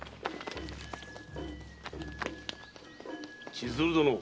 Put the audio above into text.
千鶴殿。